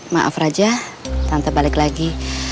maaf raja tante balik lagi